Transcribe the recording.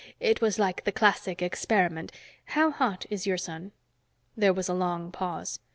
It was like the Classic experiment " "How hot is your sun?" There was a long pause.